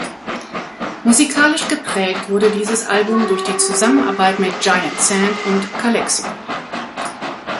Musikalisch geprägt wurde dieses Album durch die Zusammenarbeit mit Giant Sand und Calexico.